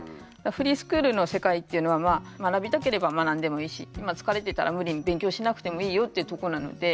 フリースクールの世界っていうのはまあ学びたければ学んでもいいし疲れてたら無理に勉強しなくてもいいよっていうとこなので。